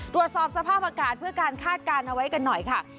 ตรวจสอบสภาพอากาศเพื่อการคาดการณ์เอาไว้กันหน่อยค่ะ